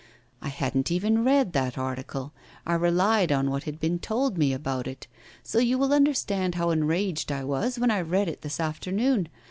I hadn't even read that article, I relied on what had been told me about it. So you will understand how enraged I was when I read it this afternoon.